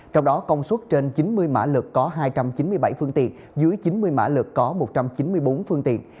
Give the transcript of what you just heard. trong đó công suất trên chín mươi mã lực có hai trăm chín mươi bảy phương tiện dưới chín mươi mã lực có một trăm chín mươi bốn phương tiện